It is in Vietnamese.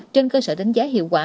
trên cơ sở đánh giá hiệu quả